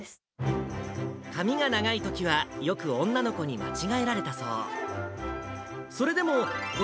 髪が長いときは、よく女の子に間違えられたそう。